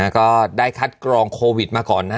ก็ได้คัดกรองโควิดมาก่อนนะฮะ